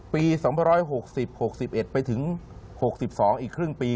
๒๖๐๖๑ไปถึง๖๒อีกครึ่งปี